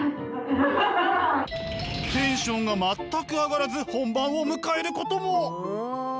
テンションが全く上がらず本番を迎えることも！